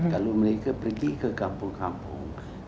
kalau mereka pergi ke kampung kampung mereka tidak bisa